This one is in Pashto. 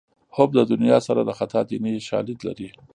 حب د دنیا سر د خطا دیني شالید لري